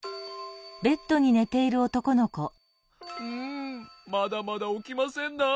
んまだまだおきませんな。